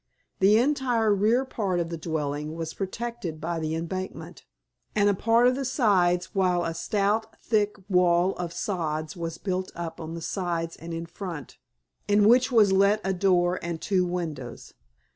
The entire rear part of the dwelling was protected by the embankment, and a part of the sides, while a stout, thick wall of sods was built up on the sides and in front, in which was let a door and two windows.